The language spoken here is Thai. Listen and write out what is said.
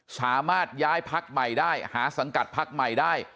สามารถย้ายพักใหม่ได้หาสังกัดพักใหม่ได้